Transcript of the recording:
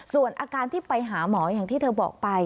ส่วนอาการที่ไปหาหมออย่างที่เธอบอกไป